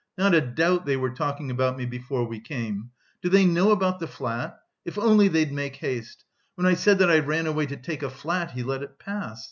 Not a doubt they were talking about me before we came. Do they know about the flat? If only they'd make haste! When I said that I ran away to take a flat he let it pass....